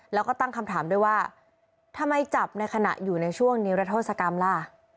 แล้วก็ตั้งคำถามด้วยว่าทำไมจับในขณะอยู่ในช่วงนิรโทษกรรมล่ะ